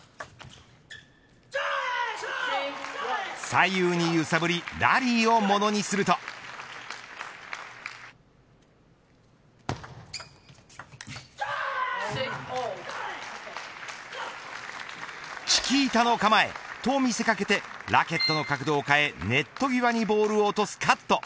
左右に揺さぶりラリーを物にするとチキータの構えと見せ掛けてラケットの角度を変えネット際にボールを落とすカット。